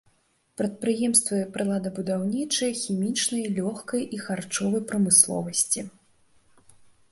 Прадпрыемствы прыладабудаўнічы, хімічнай, лёгкай і харчовай прамысловасці.